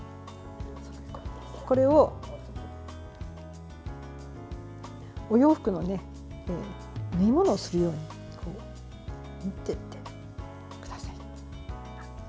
これをお洋服の縫い物をするように縫っていってください。